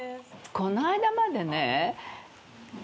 この間までね。